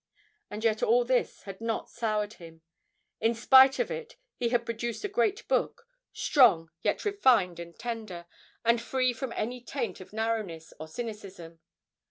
And yet all this had not soured him; in spite of it he had produced a great book, strong, yet refined and tender, and free from any taint of narrowness or cynicism.